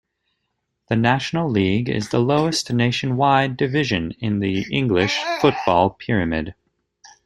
The National League is the lowest nationwide division in the English football pyramid.